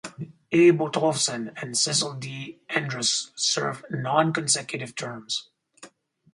A. Bottolfsen and Cecil D. Andrus-served non-consecutive terms.